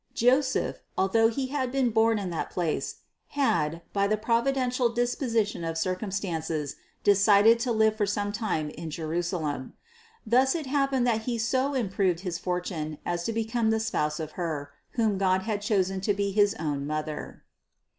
Joseph, although he had been born in that place, had, by the providential disposition of circumstances, decided to live for some time in Jerusalem. Thus it happened that he so improved his fortune as to become the spouse of Her, whom God had chosen to be his own Mother.